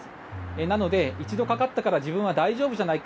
なので、１度かかったから自分は大丈夫じゃないか。